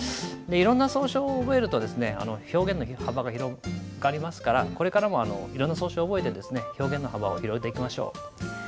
いろんな草書を覚えると表現の幅が広がりますからこれからもいろんな草書を覚えて表現の幅を広げていきましょう。